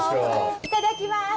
いただきます。